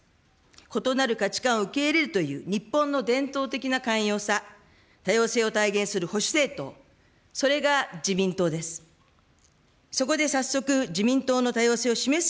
異なる価値観を受け入れるという日本の伝統的な寛容さ、多様性を体現する保守政党、それが自民党です。